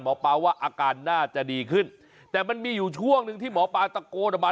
หมอปลาว่าอาการน่าจะดีขึ้นแต่มันมีอยู่ช่วงหนึ่งที่หมอปลาตะโกนออกมา